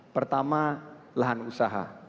pertama lahan usaha